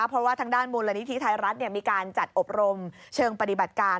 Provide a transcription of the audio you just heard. เพราะว่าทางด้านมูลนิธิไทยรัฐมีการจัดอบรมเชิงปฏิบัติการ